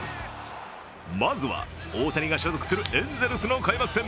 まずは、大谷が所属するエンゼルスの開幕戦。